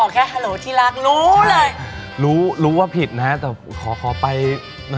แค่ฮัลโหลที่รักรู้เลยรู้รู้ว่าผิดนะฮะแต่ขอขอไป